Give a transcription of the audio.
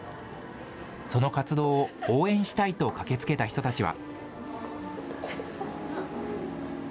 その活動を応援したいと駆けつけた人たちは。